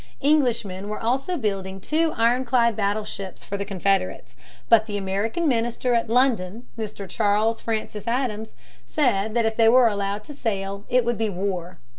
Englishmen were also building two ironclad battleships for the Confederates. But the American minister at London, Mr. Charles Francis Adams, said that if they were allowed to sail, it would be "war."